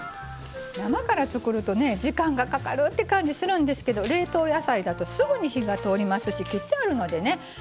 生から作るとね時間がかかるって感じするんですけど冷凍野菜だとすぐに火が通りますし切ってあるのでね